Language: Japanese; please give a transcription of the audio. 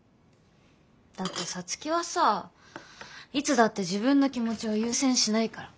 だって皐月はさいつだって自分の気持ちを優先しないから。